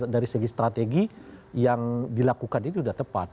dari segi strategi yang dilakukan itu sudah tepat